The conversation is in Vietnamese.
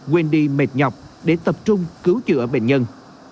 quên đi mệt nhọc để tập trung cứu chữa bệnh nhân